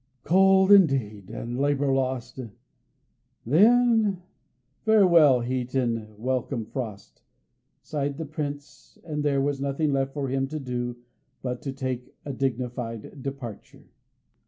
"Cold indeed; and labour lost: then farewell, heat, and welcome, frost!" sighed the Prince; and there was nothing left for him to do but to take a dignified departure.